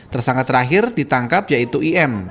tersangka terakhir ditangkap yaitu im